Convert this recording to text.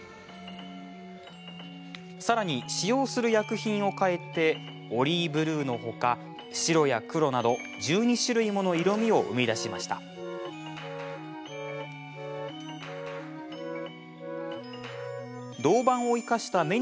さらに、使用する薬品を変えオリイブルーのほか白や黒など、１２種類もの色みを生み出しました。